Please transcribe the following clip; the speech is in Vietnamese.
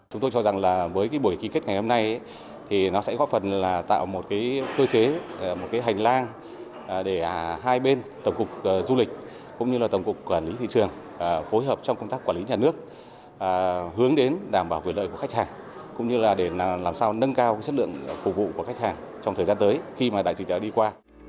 hướng đến đảm bảo quyền lợi của khách hàng cũng như là để làm sao nâng cao chất lượng phục vụ của khách hàng trong thời gian tới khi mà đại dịch đã đi qua